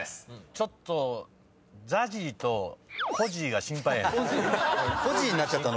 ちょっとＺＡＺＹとコジーが心配やねん。